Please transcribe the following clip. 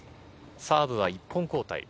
サーブは１本交代。